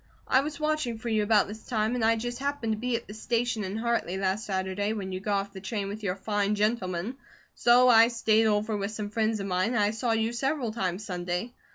I was watching for you about this time, and I just happened to be at the station in Hartley last Saturday when you got off the train with your fine gentleman, so I stayed over with some friends of mine, and I saw you several times Sunday.